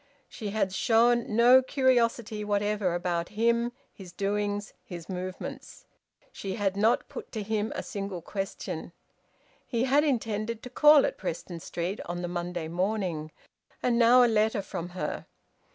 She had shown no curiosity whatever about him, his doings, his movements. She had not put to him a single question. He had intended to call at Preston Street on the Monday morning. And now a letter from her!